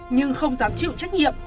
nhưng không dám chịu trách nhiệm